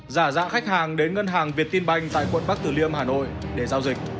giả dạng khách hàng đến ngân hàng việt tin banh tại quận bắc tử liêm hà nội để giao dịch